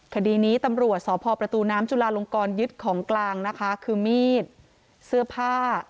คดีนี้ตำรวจสพประตูน้ำจุลาลงกรยึดของกลางนะคะคือมีดเสื้อผ้า